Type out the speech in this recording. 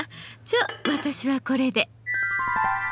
じゃ私はこれで。